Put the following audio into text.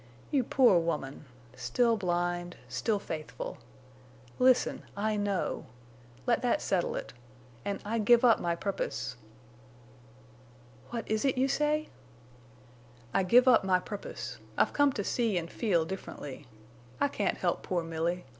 You poor woman! Still blind! Still faithful!... Listen. I know. Let that settle it. An' I give up my purpose!" "What is it—you say?" "I give up my purpose. I've come to see an' feel differently. I can't help poor Milly.